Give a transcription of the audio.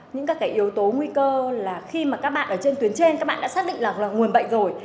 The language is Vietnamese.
những các cái yếu tố nguy cơ là khi mà các bạn ở trên tuyến trên các bạn đã xác định là nguồn bệnh rồi